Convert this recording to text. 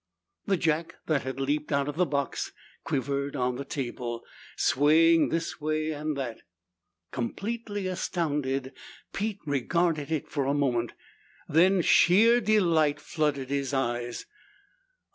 The jack that had leaped out of the box quivered on the table, swaying this way and that. Completely astounded, Pete regarded it for a moment. Then sheer delight flooded his eyes.